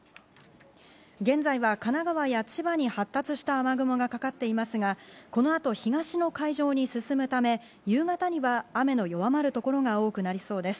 現在は神奈川や千葉に発達した雨雲がかかっていますが、この後、東の海上に進むため、夕方には雨の弱まる所が多くなりそうです。